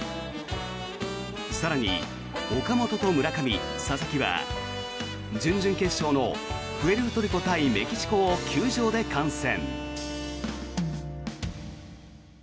更に岡本と村上、佐々木は準々決勝のプエルトリコ対メキシコを球場で観戦。